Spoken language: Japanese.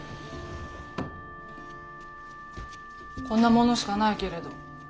こんなものしかないけれど。